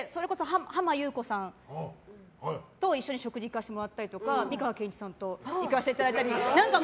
浜木綿子さんと一緒に食事行かせてもらったり美川憲一さんと行かせていただいたり。